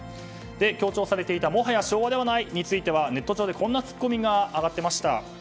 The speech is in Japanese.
強調されていたもはや昭和ではないについてネット上で、こんなツッコミが上がっていました。